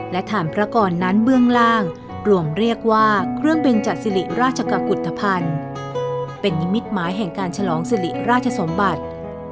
และฐานพระกรนั้นเบื้องล่างรวมเรียกว่าเครื่องบินจัดสิริราชกุฏภัณฑ์เป็นนิมิตหมายแห่งการฉลองสิริราชสมบัติ